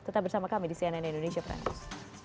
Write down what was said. tetap bersama kami di cnn indonesia pranus